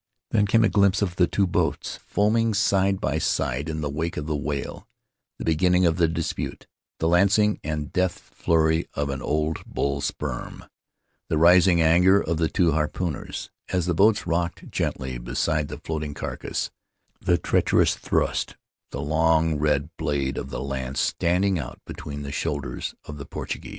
Then came a glimpse of the two boats foaming side by side in the wake of the whale; the beginning of the dispute; the lancing and death flurry of an old bull sperm; the rising anger of the two harpooners, as the boats rocked gently beside the floating carcass; the treacherous thrust; the long red blade of the lance standing out between the shoulders of the Portuguese.